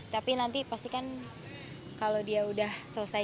tapi nanti pastikan kalau dia udah selesai